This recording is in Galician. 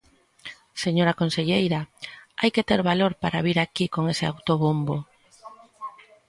Señora conselleira, ¡hai que ter valor para vir aquí con ese autobombo!